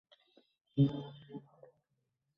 সেই ফোনে কি আছে জানতে হবে।